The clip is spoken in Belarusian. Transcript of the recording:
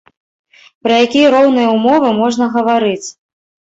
Пра якія роўныя ўмовы можна гаварыць?